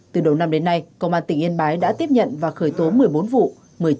từ đầu năm đến nay công an tỉnh yên bái đã tiếp nhận và khởi tố một mươi bốn vụ